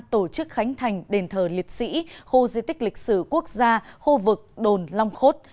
tổ chức khánh thành đền thờ liệt sĩ khu di tích lịch sử quốc gia khu vực đồn long khốt